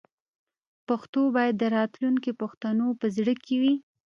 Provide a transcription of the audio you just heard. پښتو باید د راتلونکي پښتنو په زړه کې وي.